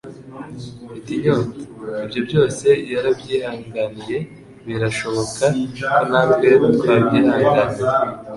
Mfite inyota.” Ibyo byose yarabyihanganiye birashoboka ko natwe twabyihanganira